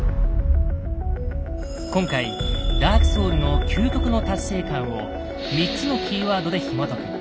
今回「ＤＡＲＫＳＯＵＬＳ」の「究極の達成感」を３つのキーワードでひもとく。